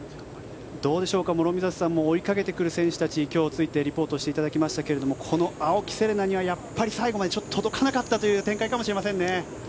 どうでしょうか、諸見里さんも追いかけてくる選手についてリポートしていただきましたがこの青木瀬令奈には最後まで届かなかったという展開かもしれませんね。